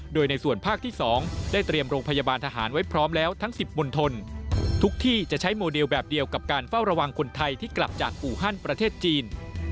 โดยในส่วนภาคที่๒ได้เตรียมโรงพยาบาลทหารไว้พร้อมแล้วทั้ง๑๐มณฑลทุกที่จะใช้โมเดลแบบเดียวกับการเฝ้าระวังคนไทยที่กลับจากอู่ฮั่นประเทศจีน